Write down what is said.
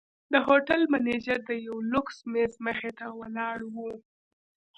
د هوټل منیجر د یوه لوکس میز مخې ته ولاړ و.